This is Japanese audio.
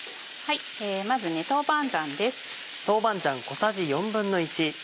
まず豆板醤です。